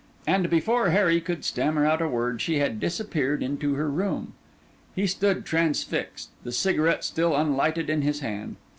And before Harry could stammer out a word, she had disappeared into her room. He stood transfixed, the cigarette still unlighted in his hand.